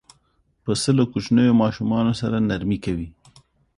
پسه له کوچنیو ماشومانو سره نرمي کوي.